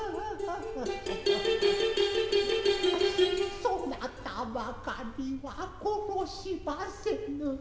そなたばかりは殺しはせぬ。